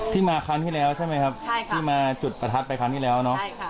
มาครั้งที่แล้วใช่ไหมครับที่มาจุดประทัดไปครั้งที่แล้วเนาะ